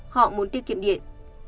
họ muốn tiết kiệm điện